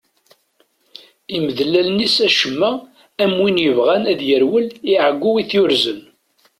Imdel allen-is acemma, am win yebɣan ad yerwel i ɛeggu i t-yurzen.